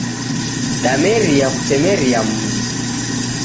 Demeria kutemeria mudi